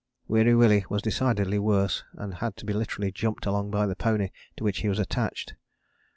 Weary Willie was decidedly worse and had to be literally jumped along by the pony to which he was attached.